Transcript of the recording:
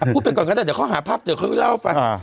ปวดไปก่อนก่อนได้เดี๋ยวเขาหาภาพเดี๋ยวเขาล้อไปอ่า